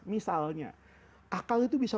misalnya akal itu bisa